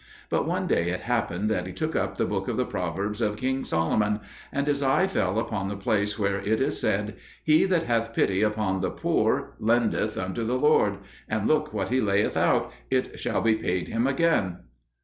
But one day it happened that he took up the book of the proverbs of King Solomon; and his eye fell upon the place where it is said, "He that hath pity upon the poor, lendeth unto the Lord; and look what he layeth out, it shall be paid him again."